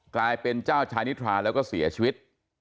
กลายเป็นเจ้าชายนิทราแล้วก็เสียชีวิต